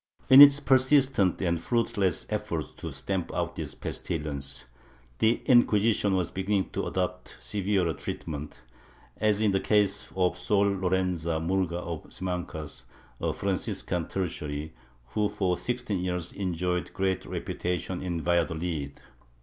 ^ In its persistent and fruitless efforts to stamp out this pestilence, the Inquisition was beginning to adopt severer treatment, as in the case of Sor Lorenza Murga of Simancas, a Franciscan tertiary, who for sixteen years enjoyed great reputation in Valladolid.